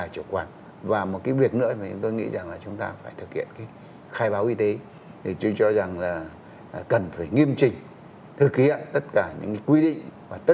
cảm ơn ông đã nhận lời mời tham dự hướng dẫn của chúng tôi